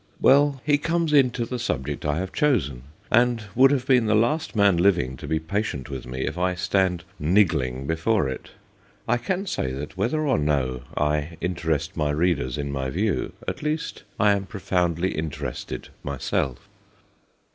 Well, he comes into the subject I have chosen, and would have been the last man living to be patient with me if I stand niggling before it. I can say that whether or no I interest my readers in my view, at least I am pro foundly interested myself.